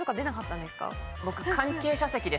僕。